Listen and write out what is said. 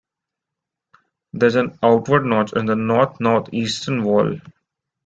There is an outward notch in the north-northeastern wall.